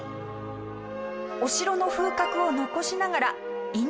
お城の風格を残しながらうわすごい。